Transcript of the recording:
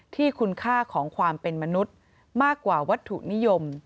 ที่คุณค่าของความเป็นมนุษย์มากกว่าวัตถุนิยม